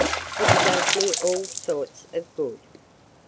"It does me all sorts of good."